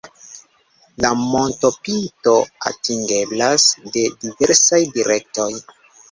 La montopinto atingeblas de diversaj direktoj.